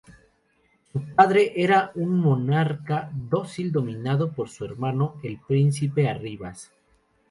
Su padre era un monarca dócil dominado por su hermano, el príncipe Arribas.